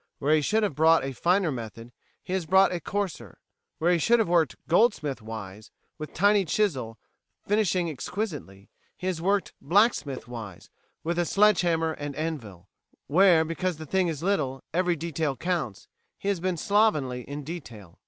... Where he should have brought a finer method, he has brought a coarser; where he should have worked goldsmithwise, with tiny chisel, finishing exquisitely, he has worked blacksmithwise, with sledge hammer and anvil; where, because the thing is little, every detail counts, he has been slovenly in detail."